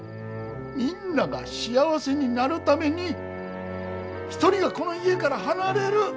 みんなが幸せになるために１人がこの家から離れる。